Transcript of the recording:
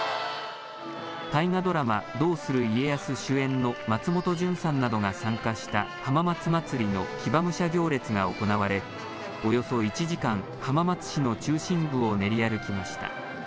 大河ドラマ、どうする家康主演の松本潤さんなどが参加した浜松まつりの騎馬武者行列が行われ、およそ１時間、浜松市の中心部を練り歩きました。